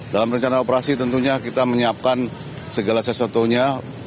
dalam rencana operasi tentunya kita menyiapkan segala sesuatunya